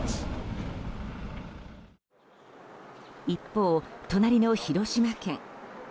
一方、隣の広島県。